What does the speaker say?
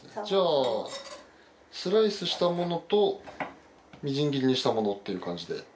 じゃあスライスしたものとみじん切りにしたものっていう感じで。